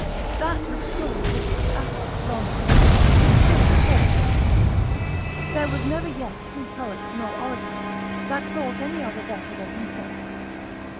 That which Tully writ to Atticus long since, is still in force. There was never yet true poet nor orator, that thought any other better than himself.